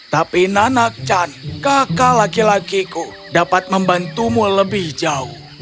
tapi nanakchan kakak laki lakiku dapat membantumu lebih jauh